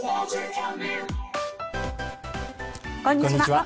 こんにちは。